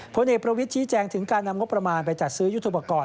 เพราะในประวิจิแจงถึงการนำงบประมาณไปจัดซื้อยุทธุปกรณ์